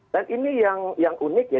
dan ini yang unik ya